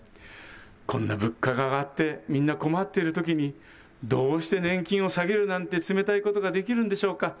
こんな物価が上がってみんな困っているときにどうして年金を下げるなんて冷たいことができるんでしょうか。